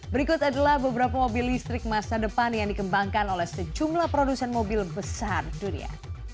berikut adalah beberapa mobil listrik masa depan yang dikembangkan oleh sejumlah produsen mobil besar dunia